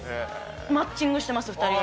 マッチングしてます。